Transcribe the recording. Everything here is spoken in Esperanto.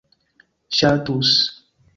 ŝatus